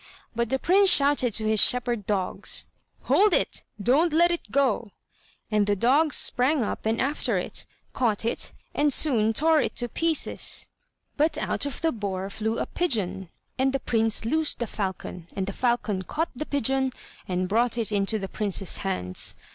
But the prince shouted to his shepherd dogs: "Hold it! don't let it go!" and the dogs sprang up and after it, caught it, and soon tore it to pieces. But out of the boar flew a pigeon, and the prince loosed the falcon, and the falcon caught the pigeon and brought it into the prince's hands.